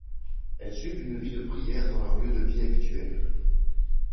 Elles suivent une vie de prière dans leur lieu de vie habituel.